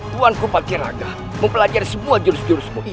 tuan kupatiraga mempelajari semua jorus jorusmu itu